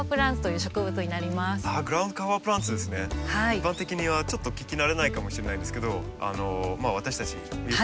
一般的にはちょっと聞き慣れないかもしれないんですけどまあ私たちよく使いますよね。